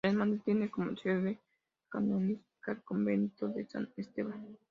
La hermandad tiene como sede canónica el Convento de San Esteban.